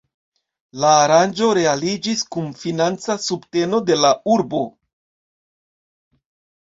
La aranĝo realiĝis kun financa subteno de la urbo.